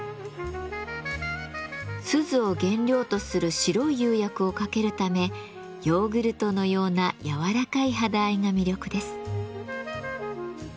錫を原料とする白い釉薬をかけるためヨーグルトのような柔らかい肌合いが魅力です。